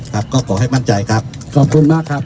ครับก็ขอให้มั่นใจครับขอบคุณมากครับ